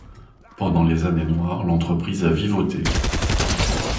Pendant les années noires, l’entreprise a vivoté.